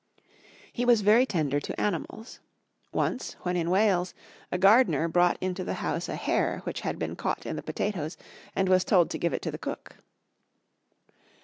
He was very tender to animals. Once, when in Wales, a gardener brought into the house a hare which had been caught in the potatoes, and was told to give it to the cook.